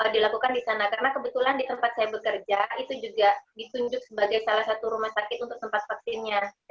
dilakukan di sana karena kebetulan di tempat saya bekerja itu juga ditunjuk sebagai salah satu rumah sakit untuk tempat vaksinnya